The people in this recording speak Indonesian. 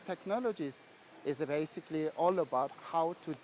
teknologi ini adalah tentang